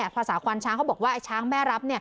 ภาษาควานช้างเขาบอกว่าไอ้ช้างแม่รับ